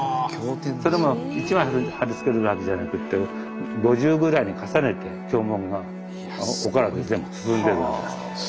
それも一枚貼り付けるわけじゃなくて５重ぐらいに重ねて経文がお体を全部包んでる。